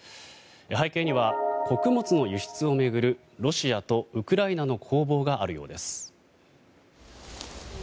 背景には、穀物の輸出を巡るロシアとウクライナの攻防があるようです。